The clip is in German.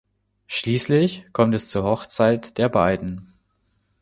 Schließlich kommt es zur Hochzeit der beiden.